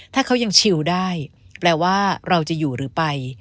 ถ้าเขายังชิวได้แปลว่าเราจะอยู่หรือไป